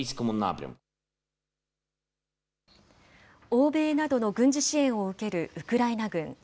欧米などの軍事支援を受けるウクライナ軍。